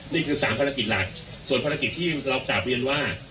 นี่คือ๓ภารกิจหลักส่วนภารกิจที่เรากลับเรียนว่า